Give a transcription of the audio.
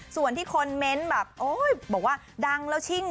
ส่วนที่คอมเมนต์แบบโอ๊ยบอกว่าดังแล้วชิ่ง